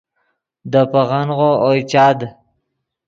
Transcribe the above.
دے پیغنغو اوئے چاد